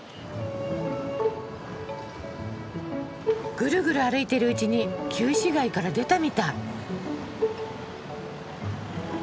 ぐるぐる歩いてるうちに旧市街から出たみたい。